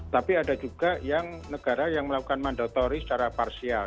tapi ada juga yang negara yang melakukan mandatori secara parsial